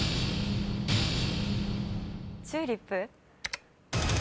チューリップ？